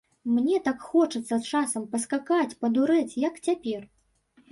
Мне так хочацца часам паскакаць, падурэць, як цяпер!